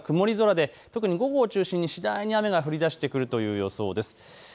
あすは曇り空で午後を中心に次第に雨が降りだしてくるという予想です。